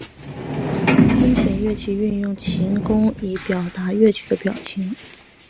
弓弦乐器运用琴弓以表达乐曲的表情。